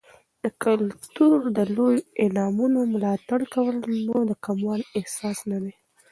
د کلتور د لویو انعامونو ملاتړ کول، نو د کموالي احساس نه دی.